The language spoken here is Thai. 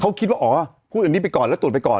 เขาคิดว่าอ๋อพูดอันนี้ไปก่อนแล้วตรวจไปก่อน